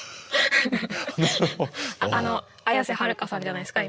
綾瀬はるかさんじゃないですか